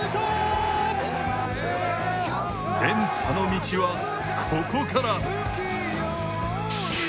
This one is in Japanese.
連覇の道は、ここから。